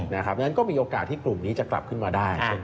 เพราะฉะนั้นก็มีโอกาสที่กลุ่มนี้จะกลับขึ้นมาได้